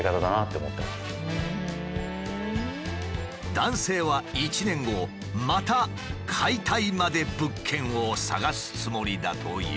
男性は１年後また「解体まで物件」を探すつもりだという。